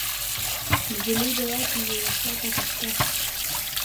نجلۍ به واچوي وشا ته بسته